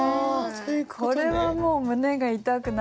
これはもう胸が痛くなるわね。